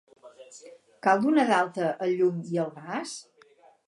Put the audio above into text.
Cal donar d'alta el llum i el gas?